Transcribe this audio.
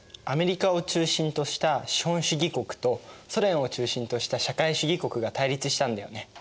アメリカを中心とした資本主義国とソ連を中心とした社会主義国が対立したんだよね。